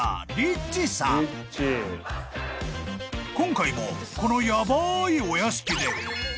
［今回もこのヤバいお屋敷で］